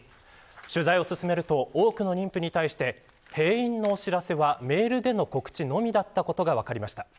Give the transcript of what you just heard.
取材を進めると多くの妊婦に対して閉院のお知らせはメールでの告知のみだったことが分かりました。